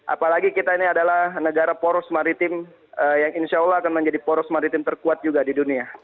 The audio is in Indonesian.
apalagi kita ini adalah negara poros maritim yang insya allah akan menjadi poros maritim terkuat juga di dunia